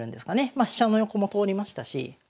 ま飛車の横も通りましたし。